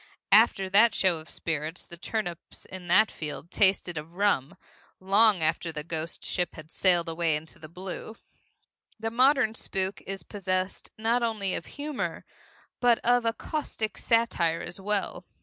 After that show of spirits, the turnips in that field tasted of rum, long after the ghost ship had sailed away into the blue. The modern spook is possessed not only of humor but of a caustic satire as well.